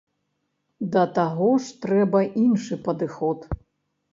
Да таго ж, трэба іншы падыход.